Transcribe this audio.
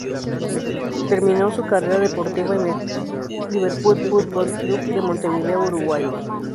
Terminó su carrera deportiva en el Liverpool Fútbol Club de Montevideo, Uruguay.